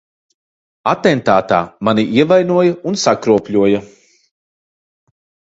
Atentātā mani ievainoja un sakropļoja.